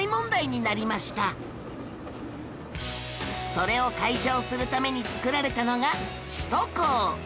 それを解消するために造られたのが首都高